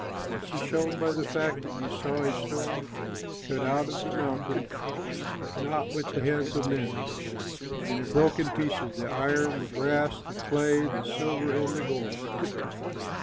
This is shown by the fact that you saw a stone cut out of the mountain, but not with the hands of men. And it broke in pieces the iron, the brass, the clay, the silver, and the gold.